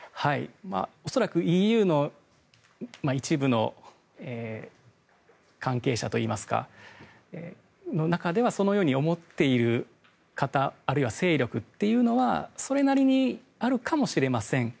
恐らくＥＵの一部の関係者の中ではそのように思っている方あるいは勢力というのはそれなりにあるかもしれません。